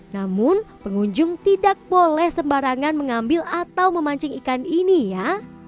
namun pengunjung tidak boleh sembarangan mengambil atau memancing ikan ini ya